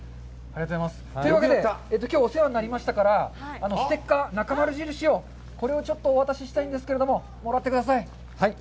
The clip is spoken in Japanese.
というわけできょうお世話になりましたからステッカーなかまる印をこれをちょっとお渡ししたいんですけどもらってください。